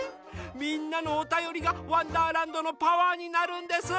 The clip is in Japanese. みんなのおたよりが「わんだーらんど」のパワーになるんです！